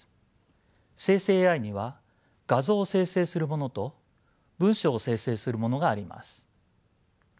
生成ＡＩには画像を生成するものと文章を生成するものがあります。